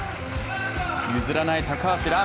譲らない高橋藍。